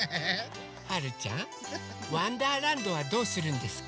はるちゃん「わんだーらんど」はどうするんですか？